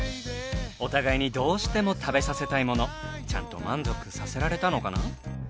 お互いにどうしても食べさせたいものちゃんと満足させられたのかな？